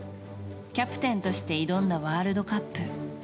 キャプテンとして挑んだワールドカップ。